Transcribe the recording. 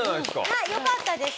はいよかったです。